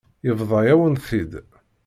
Yebḍa-yawen-t-id.